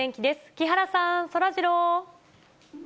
木原さん、そらジロー。